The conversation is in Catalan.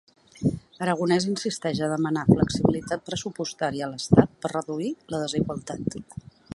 Aragonès insisteix a demanar flexibilitat pressupostària a l'Estat per reduir la desigualtat.